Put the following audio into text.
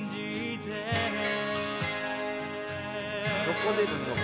どこ出るの？